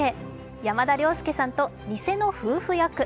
山田涼介さんと偽の夫婦役。